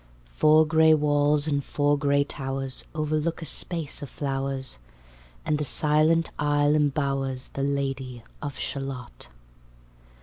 Four gray walls and four gray towers Overlook a space of flowers, And the silent isle imbowers The Lady of Shalott.